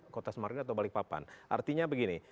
kota semarang atau balikpapan artinya begini